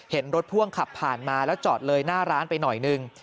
เห็นรถพ่วงขับผ่านมาแล้วจอดเลยหน้าร้านไปหน่อยนึง